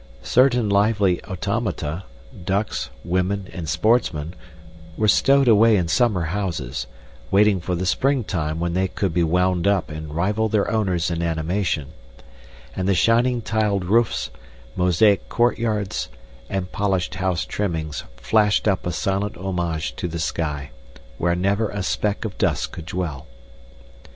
Certain lively automata, ducks, women, and sportsmen, were stowed away in summer houses, waiting for the spring time when they could be wound up and rival their owners in animation; and the shining tiled roofs, mosaic courtyards, and polished house trimmings flashed up a silent homage to the sky, where never a speck of dust could dwell.